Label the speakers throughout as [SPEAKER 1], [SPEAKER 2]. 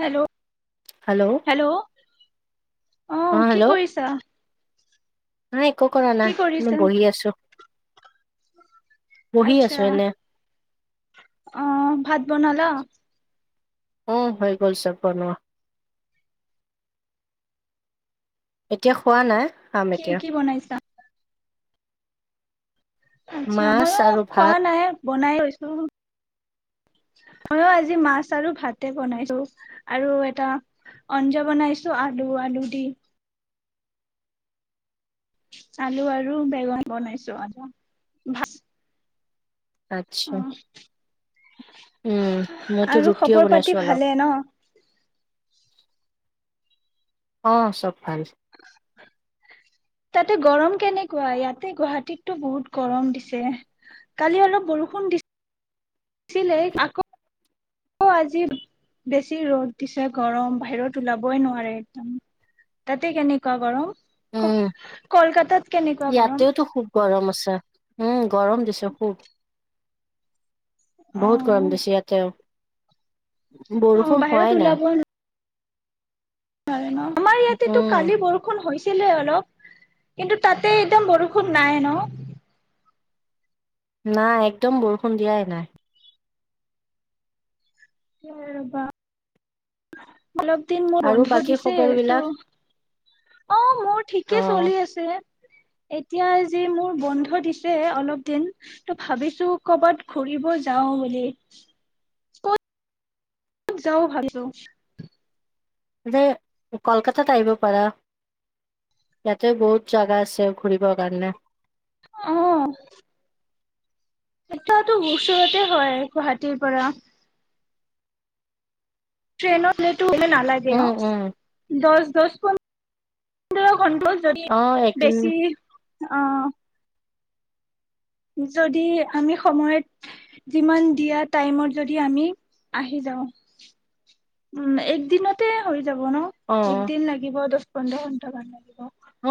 [SPEAKER 1] Hello hello অহ
[SPEAKER 2] অ
[SPEAKER 1] কি
[SPEAKER 2] হেল্ল'
[SPEAKER 1] কৰিছা
[SPEAKER 2] নাই একো কৰা
[SPEAKER 1] কি
[SPEAKER 2] নাই
[SPEAKER 1] কৰিছা
[SPEAKER 2] মই বহি আছো বহি
[SPEAKER 1] আচ্ছা
[SPEAKER 2] আছো এনে
[SPEAKER 1] অ ভাত বনালা
[SPEAKER 2] উম হৈ গল চব বনোৱা এতিয়া খোৱা নাই খাম
[SPEAKER 1] কি
[SPEAKER 2] এতিয়া
[SPEAKER 1] কি বনাইছা আচ্ছা
[SPEAKER 2] মাছ
[SPEAKER 1] মইয়ো
[SPEAKER 2] আৰু
[SPEAKER 1] খোৱা
[SPEAKER 2] ভাত
[SPEAKER 1] নাই বনাই ময়ো আজি মাছ আৰু ভাতে বনাইছো আৰু এটা আঞ্জা বনাইছো আলু আলু দি আলু আৰু বেগন বনাইছো আ ভা
[SPEAKER 2] আচ্ছা উম মইতো
[SPEAKER 1] আৰু
[SPEAKER 2] ৰুটিও
[SPEAKER 1] খবৰ
[SPEAKER 2] বনাইছো
[SPEAKER 1] পাতি
[SPEAKER 2] অলপ
[SPEAKER 1] ভালে ন
[SPEAKER 2] অ চব ভাল
[SPEAKER 1] তাতে গৰম কেনেকোৱা ইয়াতে গুৱাহাটীতটো বহুত গৰম দিছে কালি অলপ বৰষুণ দিছে ছিলেই আকৌ আকৌ আজি বেছি ৰ'দ দিছে গৰম বাহিৰত ওলাবই নোৱাৰে একদম তাতে কেনেকুৱা গৰম।
[SPEAKER 2] উম
[SPEAKER 1] কলকাতাত কেনেকুৱা গৰম।
[SPEAKER 2] আছা উম। গৰম দিচে খুব।
[SPEAKER 1] অ
[SPEAKER 2] বহুত গৰম দিছে ইয়াতে।
[SPEAKER 1] অ
[SPEAKER 2] বৰষুণ
[SPEAKER 1] বাহিৰত
[SPEAKER 2] হোৱাই
[SPEAKER 1] ওলাব
[SPEAKER 2] নাই।
[SPEAKER 1] নোৱাৰে ন। আমাৰ ইয়াতেতো
[SPEAKER 2] উম
[SPEAKER 1] কালি বৰষুণ হৈছে। দিছিলে অলপ কিন্তু তাতে একদম বৰষুণ নাই ন।
[SPEAKER 2] নাই একদম বৰষুণ দিয়াই নাই।
[SPEAKER 1] কিয় ৰেবা। অলপ দিন মোৰ
[SPEAKER 2] আৰু
[SPEAKER 1] বন্ধ
[SPEAKER 2] বাকী
[SPEAKER 1] দিছে
[SPEAKER 2] খবৰ
[SPEAKER 1] এইটো
[SPEAKER 2] বিলাক
[SPEAKER 1] অ', মোৰ
[SPEAKER 2] অ
[SPEAKER 1] ঠিকে চলি আছে। এতিয়া যি মোৰ বন্ধ দিছে। অলপ দিন ত' ভাবিছোঁ কৰবাত ঘুৰিব যাওঁ বুলি ক'ত। ক'ত যাও ভাবিছোঁ।
[SPEAKER 2] ইয়াতে কলকাতাত আহিব পাৰা ইয়াতে বহুত জাগা আছে ঘূৰিবৰ কাৰণে।
[SPEAKER 1] অ',। এইটাতো উচৰতে হয় গুৱাহাটীৰ পৰা। ট্ৰেইনত। নালাগে
[SPEAKER 2] উম
[SPEAKER 1] অ',
[SPEAKER 2] উম
[SPEAKER 1] দচ দচ পো অ [unintelligible] [inaudible] যদি
[SPEAKER 2] অ একদিন
[SPEAKER 1] বেছি অ', যদি আমি সময়ত যিমান দিয়া টাইমত যদি আমি আহি যাওঁ উ'ম একদিনতে হৈ। যাব ন
[SPEAKER 2] অ
[SPEAKER 1] এক দিন লাগিব দচ পোন্ধৰ। লাগিব।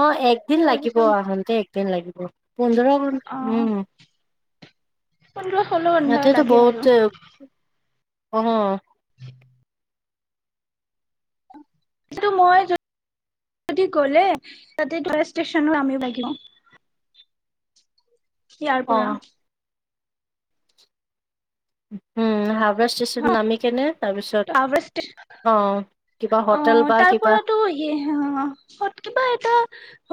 [SPEAKER 2] অ
[SPEAKER 1] তে
[SPEAKER 2] একদিন লাগিব
[SPEAKER 1] ভাবিছো
[SPEAKER 2] আহোতে একদিন লাগিব। অ',। পোন্ধৰ ষোল্ল
[SPEAKER 1] অ
[SPEAKER 2] হ'ম
[SPEAKER 1] পোন্ধৰ ষোল্ল ঘন্টা
[SPEAKER 2] ইয়াতেটো
[SPEAKER 1] লাগে আৰু
[SPEAKER 2] বহুতে। অ',।
[SPEAKER 1] এইটো মই যদি গ'লে তাতে তো ষ্টেচনত নামিব লাগিব। ইয়াৰ
[SPEAKER 2] অ
[SPEAKER 1] পৰা।
[SPEAKER 2] উ'ম। হাওৰা ষ্টেচন নামি কেনে। তাৰপিছত
[SPEAKER 1] তাৱে ইচতেচন
[SPEAKER 2] অ কিবা হোটেল
[SPEAKER 1] অ',
[SPEAKER 2] বা
[SPEAKER 1] তাৰ
[SPEAKER 2] কিবা
[SPEAKER 1] পৰাতো কিবা হত কিবা এটা।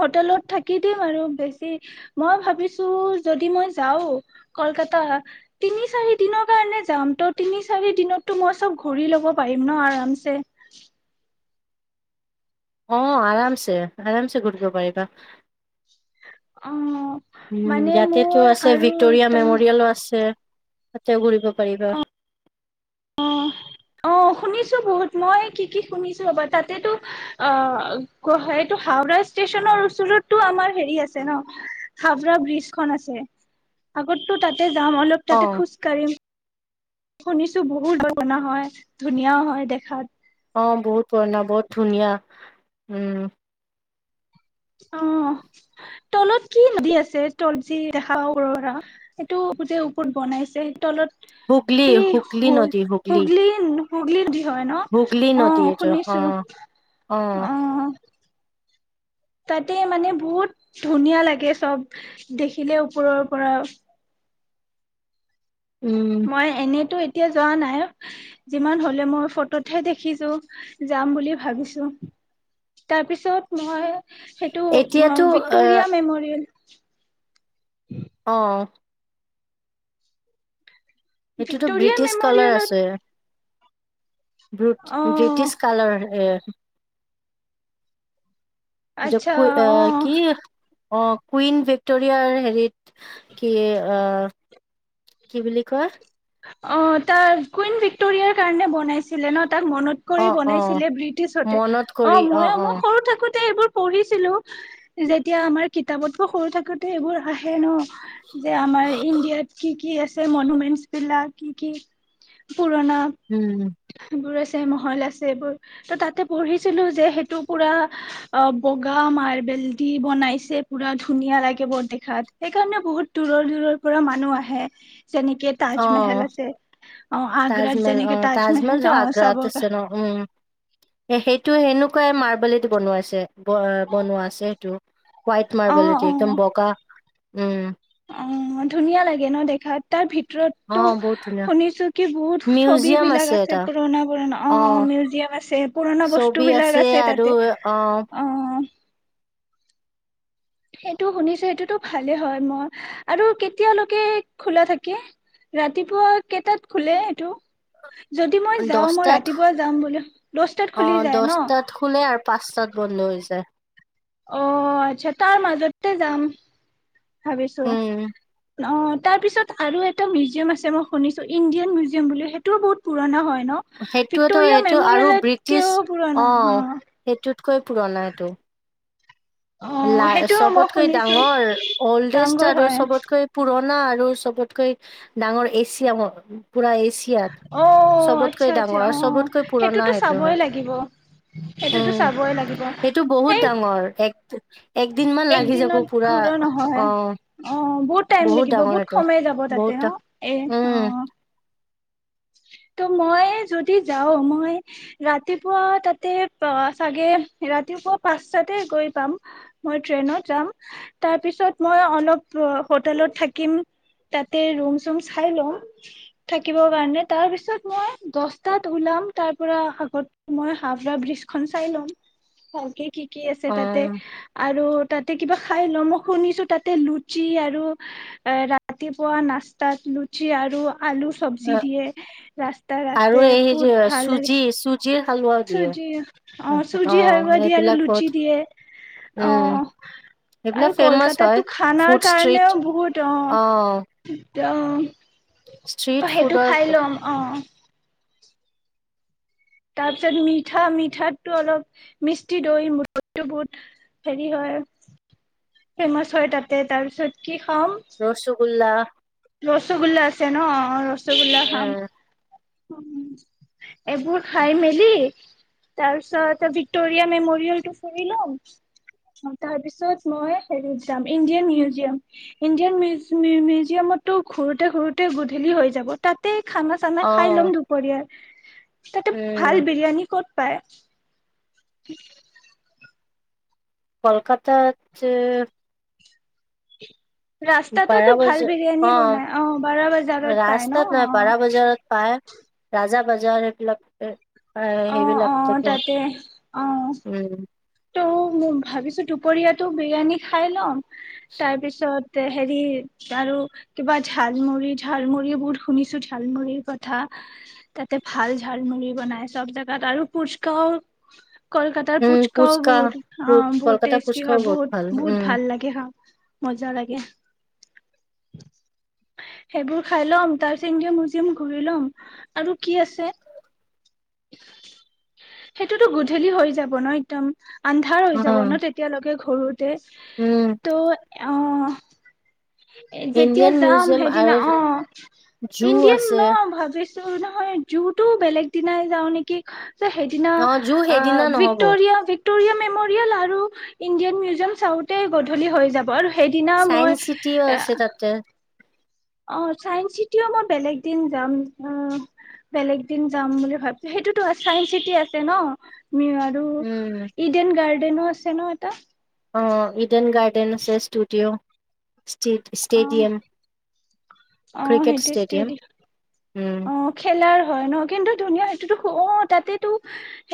[SPEAKER 1] হোটেলত থাকি দিম আৰু বেছি মই ভাবিছোঁ। যদি মই যাওঁ কলকাতা তিনি চাৰি দিনৰ কাৰণে যাম ত' তিনি চাৰি দিনতটো মই চব ঘূৰি ল'ব পাৰিম ন আৰামছে।
[SPEAKER 2] অ আৰামছে আৰামছে ঘূৰিব পাৰিবা।
[SPEAKER 1] অ
[SPEAKER 2] উ'ম
[SPEAKER 1] মানে
[SPEAKER 2] ইয়াতেতটো
[SPEAKER 1] মোৰ
[SPEAKER 2] আছে
[SPEAKER 1] আৰু
[SPEAKER 2] ভিক্টৰিয়া
[SPEAKER 1] এটা
[SPEAKER 2] মেমৰিয়েলো আছে। তাতে ঘূৰিব পাৰিবা।
[SPEAKER 1] অ অ শুনিছো বহুত মই কি কি শুনিছো ৰবা তাতেটো অ', এইটো হাওৰা ষ্টেচনৰ ওচৰতো আমাৰ হেৰি আছে ন হাওৰা ব্ৰিজখন আছে আগতো তাত তাতে যাম অলপ
[SPEAKER 2] অ
[SPEAKER 1] তাতে খোজকাঢ়িম শুনিছো বহুত ডাঙৰ হয় ধুনীয়াও হয় দেখাত।
[SPEAKER 2] অ বহুত পুৰণা বহুত ধুনীয়া উম
[SPEAKER 1] অ তলত কি দি আছে তল যি দেখা উৰৰা সেইটো যে ওপৰত বনাইছে তলত
[SPEAKER 2] হুগলী
[SPEAKER 1] এই
[SPEAKER 2] হুগলী
[SPEAKER 1] হল
[SPEAKER 2] নদী হুগলী
[SPEAKER 1] হুগলী ন
[SPEAKER 2] হুগলী
[SPEAKER 1] অ
[SPEAKER 2] নদী এইটো অ
[SPEAKER 1] শুনিছো অ তাতে মানে বহুত ধুনীয়া লাগে চব দেখিলে ওপৰৰ পৰা
[SPEAKER 2] উম
[SPEAKER 1] মই এনেইতো এতিয়া যোৱা নাই যিমান হলে মই ফটোতহে দেখিছো যাম বুলি ভাবিছো তাৰপিছত মই সেইটো
[SPEAKER 2] এতিয়াতো এ
[SPEAKER 1] ভিক্টৰিয়া মেমৰিয়েল [inaudible]
[SPEAKER 2] অ এইটোতো
[SPEAKER 1] ভিক্টৰিয়া
[SPEAKER 2] ব্ৰিটিছ কলাৰ
[SPEAKER 1] মেমৰিয়েলত
[SPEAKER 2] আছে বু
[SPEAKER 1] অ
[SPEAKER 2] ব্ৰিটিছ কালাৰ এ য
[SPEAKER 1] আচ্ছা অ
[SPEAKER 2] কি অ কুইন ভিক্টৰিয়াৰ হেৰিত কি অ কি বুলি কয়
[SPEAKER 1] অ তাৰ কুইন ভিক্টৰিয়াৰ কাৰণে বন বছিলে ন তাক মনত
[SPEAKER 2] অ
[SPEAKER 1] কৰি
[SPEAKER 2] অ
[SPEAKER 1] বনাইছিলে ব্ৰিটিছতে
[SPEAKER 2] মনত
[SPEAKER 1] অ
[SPEAKER 2] কৰি
[SPEAKER 1] মই
[SPEAKER 2] অ
[SPEAKER 1] মই সৰু থাকো এইবোৰ পঢ়িছিলো যেতিয়া আমাৰ কিতাপতকো সৰু থাকোতে এইবোৰ আহে ন। যে আমাৰ ইণ্ডিয়াত কি কি আছে মনমেণ্ট বিলাক কি কি
[SPEAKER 2] উম
[SPEAKER 1] পুৰণাবোৰ আ ছে মহল আছে এইবোৰ ত তাতে পঢ়িছিলো যে সেইটো পুৰা অ বগা মাৰ্বেল দি বনাইছে পুৰা ধুনীয়া লাগে বৰ দেখাত সেইকাৰণে বহুত দূৰৰ দূৰৰ পৰা মানুহ আহে যেনেকে
[SPEAKER 2] অ
[SPEAKER 1] তাজমেহেল আছে অ আগ্ৰাত
[SPEAKER 2] তাজমহল অ
[SPEAKER 1] যেনেকে তাজমেহেল
[SPEAKER 2] তাজমহলতটো
[SPEAKER 1] অ চাব
[SPEAKER 2] আগ্ৰাত
[SPEAKER 1] অ
[SPEAKER 2] আছে ন উম সেইটো সেনেকুৱাই মাৰ বনোৱা আছে বনোৱা আছে সেইটো হোইট
[SPEAKER 1] অ
[SPEAKER 2] মাৰ্বেল হ হৈছে একদম বগা উম
[SPEAKER 1] উ ধুনীয়া লাগে ন দেখাত তাৰ ভিতৰত
[SPEAKER 2] অ
[SPEAKER 1] তটো
[SPEAKER 2] বহুত ধুনীয়া
[SPEAKER 1] শুনিছো কি বহুত ছবি
[SPEAKER 2] মিউজিয়াম
[SPEAKER 1] বিলাক
[SPEAKER 2] এটা
[SPEAKER 1] আছে পুৰণা পুৰণা অ মিউজিয়াম আছে পুৰণা
[SPEAKER 2] ছবি
[SPEAKER 1] বস্তু বিলাক আছে
[SPEAKER 2] আৰু
[SPEAKER 1] তাতে
[SPEAKER 2] অ
[SPEAKER 1] অ সেইটো শুনিছো সেইটোতো ভালে হয় মই আৰু কেতিয়ালৈকে খোলা থাকে ৰাতিপুৱা কেইটাত খোলে সেইটো
[SPEAKER 2] দছটাত
[SPEAKER 1] বোলে দহটাত
[SPEAKER 2] অ
[SPEAKER 1] খুলি যায় ন?
[SPEAKER 2] দছটাত খুলে আৰু পাঁচটাত বন্ধ হৈ যায়।
[SPEAKER 1] অ আচ্ছা তাৰ মাজতে যাম ভাবিছো।
[SPEAKER 2] উম
[SPEAKER 1] অ তাৰ পিছত আৰু এটা মিউজিয়াম আছে মই শুনিছো ইণ্ডিয়ান মিউজিয়াম বুলিও সেইটোও বহুত পুৰণা হয়। ন?
[SPEAKER 2] সেইটোৱোটো
[SPEAKER 1] ভিক্টৰিয়া
[SPEAKER 2] এইটো আৰু ব্ৰিটিছ
[SPEAKER 1] মেমৰিয়েলতকেও পুৰণা অ
[SPEAKER 2] আহ', সেইটোতকৈ পুৰণা এইটো।
[SPEAKER 1] অ সেইটোও মই
[SPEAKER 2] চবতকৈ
[SPEAKER 1] শুনিছো
[SPEAKER 2] ডাঙৰ অল্ডেষ্ট
[SPEAKER 1] ডাঙৰ
[SPEAKER 2] আৰু
[SPEAKER 1] হয়।
[SPEAKER 2] চবতকৈ পুৰণ, পুৰা আৰু চবতকৈ ডাঙৰ এচিয়াম পুৰা এ,
[SPEAKER 1] অ', আচ্ছা', - আচছা', অ',
[SPEAKER 2] চবতকৈ পুৰণা
[SPEAKER 1] সেইটোতো
[SPEAKER 2] সেইটো
[SPEAKER 1] চাবই
[SPEAKER 2] হয়
[SPEAKER 1] লাগিব, সেইটোতো
[SPEAKER 2] উম
[SPEAKER 1] চাবই লাগিব।
[SPEAKER 2] সেইটো বহুত
[SPEAKER 1] সেই
[SPEAKER 2] ডাঙৰ এক একদিন মান
[SPEAKER 1] এক
[SPEAKER 2] লাগি যাব
[SPEAKER 1] দিনত
[SPEAKER 2] পুৰা
[SPEAKER 1] ঘূৰা
[SPEAKER 2] অ
[SPEAKER 1] নহয়', অ', বহুত টাইম লাগিব,
[SPEAKER 2] ডাঙৰ
[SPEAKER 1] বহুত
[SPEAKER 2] এইটো
[SPEAKER 1] সময় যাব তাতে
[SPEAKER 2] বহুত ডা
[SPEAKER 1] অ', এ',
[SPEAKER 2] উম
[SPEAKER 1] অ', ত', মই যদি যাওঁ মই ৰাতিপুৱা তাতে চাগে ৰাতিপুৱা পাঁচটাতে গৈ পাম মই ট্ৰেইনত যাম। তাৰপিছত মই অলপ হোটেলত থাকিম তাতে ৰুম-চুম চাই লওঁ থাকিব। কাৰণে তাৰ পিছত মই দছটাত ওলাম তাৰ পৰা আগত মই ' হাওৰা-ব্ৰিজ' খন চাই ল'ম। ভালকে কি, কি ', আছে তাতে,
[SPEAKER 2] অ',
[SPEAKER 1] আৰু তাত, কিবা খাই লওঁ, মই শুনিছো তাতে লুচি আৰু এ', ৰাতিপুৱা নাস্তাত লুচি আৰু আলু চবজি যি দিয়ে
[SPEAKER 2] আৰু
[SPEAKER 1] ৰাস্তা-ৰাস্তাই
[SPEAKER 2] এই যে
[SPEAKER 1] বহুত ভাল লাগে।
[SPEAKER 2] চুজি চুজিৰ হালোৱাও দিয়ে।
[SPEAKER 1] চুজি অ', চুজি
[SPEAKER 2] অ',
[SPEAKER 1] হালৱা দিয়ে আৰু
[SPEAKER 2] সেইবিলাক বহুত
[SPEAKER 1] লুচি দিয়ে
[SPEAKER 2] উম,
[SPEAKER 1] অ',
[SPEAKER 2] সেইবিলাক
[SPEAKER 1] আৰু
[SPEAKER 2] ফেমাচ হয়।
[SPEAKER 1] কলকাতাতটো
[SPEAKER 2] ফুড
[SPEAKER 1] খানাৰ
[SPEAKER 2] ষ্ট্ৰীট
[SPEAKER 1] কাৰণেও বহুত অ', অ',
[SPEAKER 2] ষ্ট্ৰীট
[SPEAKER 1] অ', সেইটো
[SPEAKER 2] ফুডৰ
[SPEAKER 1] খাই লম অ', তাৰপিছত মিঠা-মিঠাতটো অলপ মিষ্টি দৈ- দৈটো বহুত হেৰি হয় ফেমাচ হয় তাতে। তাৰপিছত কি
[SPEAKER 2] ৰছগুল্লা,
[SPEAKER 1] ৰসগুল্লা আছে ন', অ', ৰস ৰসগুল্লা খাম।
[SPEAKER 2] উম,
[SPEAKER 1] এইবোৰ খাই মেলি তাৰ পিছত ভিক্টৰিয়া- মেমৰিয়েলটো ফুৰি লম। তাৰ পিছত মই', হেৰিত যাম ইণ্ডিয়ান-মিউজিয়াম-ইণ্ডিয়ান- মিউজিয়ামতো ঘুৰোঁতে-ঘুৰোঁতে গধূলি হৈ যাব তাতে খানা খাই ল'ম
[SPEAKER 2] অ',
[SPEAKER 1] দুপৰীয়া। তাতে
[SPEAKER 2] উম,
[SPEAKER 1] ভাল বিৰিয়ানী ক'ত, পায়, [unintelligible]
[SPEAKER 2] কলকাতা যে
[SPEAKER 1] ৰাস্তাততো
[SPEAKER 2] বাৰা
[SPEAKER 1] ভাল
[SPEAKER 2] বজাৰ
[SPEAKER 1] বিৰিয়ানী বনাই অ', বাৰা বজাৰত পায়
[SPEAKER 2] ৰাস্তাত
[SPEAKER 1] ন',
[SPEAKER 2] নহয় বাৰা বজাৰত পায়
[SPEAKER 1] অ',
[SPEAKER 2] ৰাজা বজাৰ এইবিলাক, -
[SPEAKER 1] অ', অ', তাতে অ',
[SPEAKER 2] উম,
[SPEAKER 1] ত', ম', ভাবিছো দুপৰীয়াতটো বিৰিয়ানী খাই লম। তাৰ পিছত, হেৰি', আৰু কিবা ঝালমুড়ি-ঝালমুড়ি বহুত শুনিছো, ঝালমু়ৰিৰ কথা তাতে ভাল ঝালমুড়ি বনাই, চব জেগাত আৰু পুহস্কও কলকাত ক',
[SPEAKER 2] উম, ফুচকা
[SPEAKER 1] বহুত অ', বহুত
[SPEAKER 2] কলকাতা
[SPEAKER 1] টেষ্টি
[SPEAKER 2] ফুচকাও
[SPEAKER 1] হয়
[SPEAKER 2] বহুত ভাল
[SPEAKER 1] বহুত-বহুত
[SPEAKER 2] উম,
[SPEAKER 1] ভাল লাগে হা', মজা লাগে। সেইবোৰ খাই লম তাৰ পিছত ইদিয়ান -মিউজিয়াম ঘুৰি ল'ম আৰু কি আছে সেইটোতো গধূলি হৈ যাব ন'। তম', আন্ধাৰ হৈ যাব
[SPEAKER 2] অ',
[SPEAKER 1] ন', তেতিয়ালৈকে ঘূৰোতে
[SPEAKER 2] উম।
[SPEAKER 1] তো অহ। এ যেতিয়া
[SPEAKER 2] ইণ্ডিয়ান
[SPEAKER 1] যাম
[SPEAKER 2] মিউজিয়াম
[SPEAKER 1] সেইদিনা
[SPEAKER 2] আৰু
[SPEAKER 1] অ'
[SPEAKER 2] জু
[SPEAKER 1] ইণ্ডিয়ান
[SPEAKER 2] আছে
[SPEAKER 1] ন ভাবিছো নহয় জুটো বেলেগ। কণাই যাওঁ নেকি? সেইদিনা
[SPEAKER 2] অ জু
[SPEAKER 1] অ'
[SPEAKER 2] সেইদিনা নহব
[SPEAKER 1] ভিক্ট'ৰিয়া। ভিক্টৰিয়া মেমৰিয়েল আৰু ইণ্ডিয়ান মিউজিয়াম চাওঁতে গধূলি হৈ যাব আৰু। সেইদিনা মই।
[SPEAKER 2] চাইন্স চিটিও আছে তাতে
[SPEAKER 1] অ চাইন্স চিটিও মই বেলেগ দিন যাম। বেলেগ দিন যাম বুলি ভাবছো সেইটোতো চাইন্স চিটি আছে ন? মিৰাদোআৰু
[SPEAKER 2] উম
[SPEAKER 1] ইডেন গাৰ্ডেনো আছে ন? ত'।
[SPEAKER 2] অ' ইডেন গাৰ্ডেন আছে ষ্টুডিঅ'।
[SPEAKER 1] অ
[SPEAKER 2] ষ্টে-ষ্টেডিয়াম,
[SPEAKER 1] অ
[SPEAKER 2] ক্ৰিকেট
[SPEAKER 1] সেইটো ষ্টেডি
[SPEAKER 2] ষ্টেডিয়াম। উম
[SPEAKER 1] অ' খেলা- হয় ন কিন্তু ধুনীয়া সেইটোতো অ' তাতেটো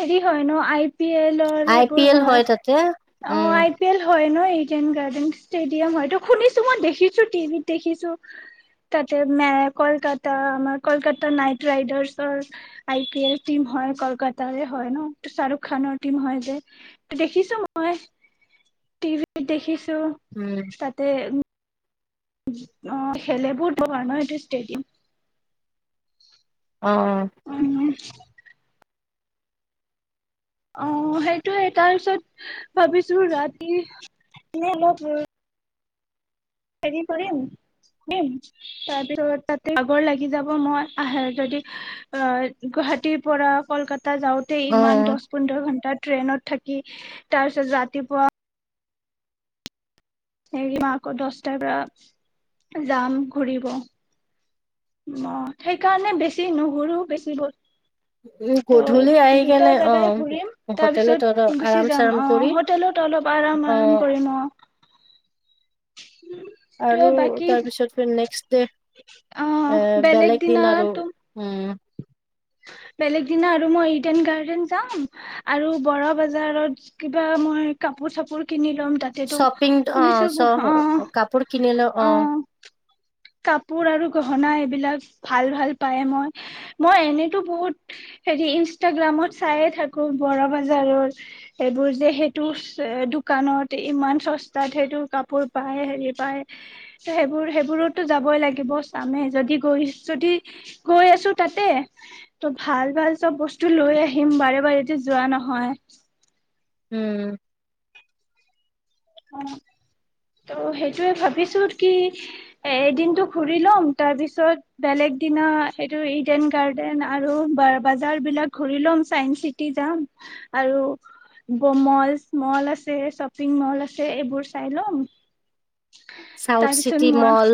[SPEAKER 1] হেৰি হয় ন আই পি এলৰ সেইবোৰ
[SPEAKER 2] আই-পি-এল হয় তাতে।
[SPEAKER 1] অ
[SPEAKER 2] উম।
[SPEAKER 1] আই পি এল হয় ন ইডেন গাৰ্ডেন ষ্টেডিয়াম হয় তো শুনিছো মই, দেখিছো টিভিত দেখিছো তাতে কলকাতা আমাৰ কলকাতা নাইট ৰাইডাৰ্চৰ আই-পি-এল টিম হয়। কলকাতাৰে হয় ন, শ্বাহৰুখ খানৰ টিম হয় যে দেখিছো। মই টিভিত দেখিছো।
[SPEAKER 2] উম
[SPEAKER 1] তো তাতে উ। অ' খেলে বহুত বহল ন এইটো ষ্টেডিয়াম।
[SPEAKER 2] অ'-অ'।
[SPEAKER 1] উম অ' সেইটোয়ে তাৰপিছত ভাবিছো ৰাতি এনে অলপ ৰৈ হেৰি কৰিম, কৰিম তাৰ পিছত তাতে ভাগৰ লাগি যাব। যদি আহ মই গুৱাহাটীৰ পৰা কলকাতা যাওঁতে
[SPEAKER 2] অ
[SPEAKER 1] ইমান দচ, পোন্ধৰ ঘণ্টাত। ট্ৰেইনত থাকি তাৰ পিছত ৰাতিপুৱা। হেৰি মই আকৌ দহটাৰ পৰা যাম ঘূৰিব। অ' সেইকাৰণে বেছি নুঘুৰো বেছি বস্তু -
[SPEAKER 2] উম
[SPEAKER 1] তো'
[SPEAKER 2] গধূলি আহি
[SPEAKER 1] দুটা
[SPEAKER 2] কেনে অ
[SPEAKER 1] জেগাই ঘুৰিম
[SPEAKER 2] হোটেলে ত
[SPEAKER 1] তাৰপিছত গুচি
[SPEAKER 2] আৰাম
[SPEAKER 1] যাম।
[SPEAKER 2] চাৰাম
[SPEAKER 1] অ'
[SPEAKER 2] কৰি
[SPEAKER 1] হোটেলত অলপ আৰাম -
[SPEAKER 2] অ
[SPEAKER 1] আৰাম কৰিম অ'। সেইটোৱে
[SPEAKER 2] আৰু
[SPEAKER 1] বাকী
[SPEAKER 2] তাৰপিছত নেক্সট ডে
[SPEAKER 1] অ
[SPEAKER 2] এ বেলেগ দিন আৰু উম।
[SPEAKER 1] বেলেগ দিনা আৰু মই ইডেন গাৰ্ডেন যাম আৰু বৰা বজাৰত কিবা মই কাপোৰ-চাপোৰ কিনিম।
[SPEAKER 2] শ্বপিং অ' চ কাপোৰ কিনিলো অ'।
[SPEAKER 1] কাপোৰ আৰু গহনা এইবিলাক ভাল-ভাল পায়। মই, মই এনেইতো বহুত হেৰি ইনষ্টাগ্ৰামত চায়ে থাকো বৰা বজাৰৰ সেইবোৰ যে সেইটো দোকানত ইমান চস্তাত সেইটো কাপোৰ পায়, হেৰি পায় ত' সেইবোৰ সেইবোৰত। তো যাবই লাগিব চামে যদি গৈ যদি গৈ আছো তাতে ত' ভাল-ভাল চব বস্তু লৈ আহিম বাৰে বাৰেটো যোৱা নহয়।
[SPEAKER 2] উম।
[SPEAKER 1] অ' ত' সেইটোয়ে ভাবিছো কি এদিনটো ঘুৰি ল'ম। তাৰপিছত বেলেগ দিনা সেইটো ইডেন গাৰ্ডেন আৰু বাজাৰ বিলাক ঘুৰি লম। চাইন্স চিটি যাম আৰু মল, মল আছে শ্বপিং মল আছে। এইবোৰ চাই লম।
[SPEAKER 2] চাউথ
[SPEAKER 1] তাৰপিছত
[SPEAKER 2] চিটি
[SPEAKER 1] মই
[SPEAKER 2] ম'ল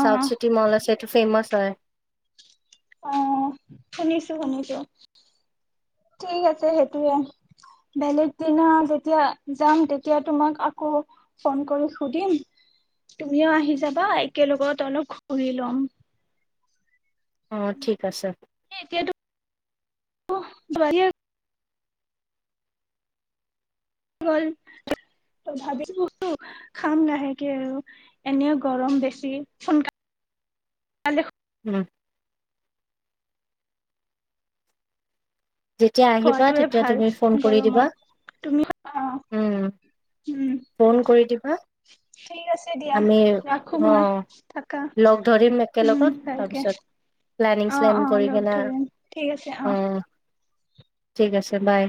[SPEAKER 2] চাউথ চিটি মল আছেটো ফেমাচ ছয়
[SPEAKER 1] অ' শুনিছোঁ‌ শুনিছোঁ‌। ঠিক আছে। সেইটোৱে বেলেগ দিনা যেতিয়া যাম তেতিয়া তোমাক আকৌ ফোন কৰি সুধিম তুমিও আহি যাবা। একেলগত অলপ ঘুৰি লম
[SPEAKER 2] অ' ঠিক আছে।
[SPEAKER 1] মোহ বৰিয়াৰ গল ত ভাবি বো খাম লাহেকে আৰু এনেও গৰম বেছি সোনকালে
[SPEAKER 2] উম। যেতিয়া আহিবা
[SPEAKER 1] খোৱাটোৱে
[SPEAKER 2] তেতিয়া
[SPEAKER 1] ভাল
[SPEAKER 2] তুমি ফোন কৰি দিবা
[SPEAKER 1] গৰমত তুমি অ
[SPEAKER 2] উম
[SPEAKER 1] উম
[SPEAKER 2] ফোন কৰি দিবা
[SPEAKER 1] ঠিক আছে দিয়া
[SPEAKER 2] আমি
[SPEAKER 1] ৰাখো
[SPEAKER 2] অ
[SPEAKER 1] মই থাকা
[SPEAKER 2] লগ ধৰিম
[SPEAKER 1] উম
[SPEAKER 2] একেলগত
[SPEAKER 1] ভালকে
[SPEAKER 2] তাৰপিছত প্লেনিং
[SPEAKER 1] অ অ
[SPEAKER 2] চ্লেনিং কৰি
[SPEAKER 1] লগ
[SPEAKER 2] কিনে
[SPEAKER 1] ধৰিম ঠিক আছে
[SPEAKER 2] অ' ঠিক আছে বাই।